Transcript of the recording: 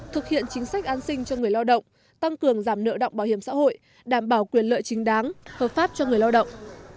thực hiện chính sách an sinh cho người lao động tăng cường giảm nợ động bảo hiểm xã hội đảm bảo quyền lợi chính đáng hợp pháp cho người lao động